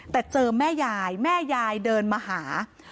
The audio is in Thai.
แต่เจอแม่ยายแม่ยายเดินมาหา